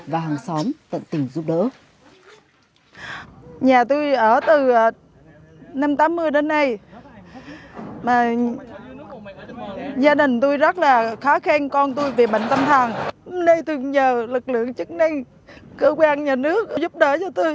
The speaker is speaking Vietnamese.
và hàng xóm tận tình giúp đỡ